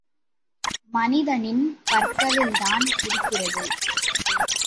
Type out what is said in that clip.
மனிதனின் பற்களில்தான் இருக்கிறது.